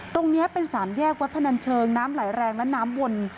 ตรงนี้เป็นสามแยกวัดพนันเชิงน้ำไหลแรงและน้ำวน